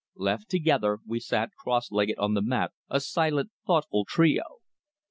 Left together, we sat cross legged on the mat, a silent, thoughtful trio.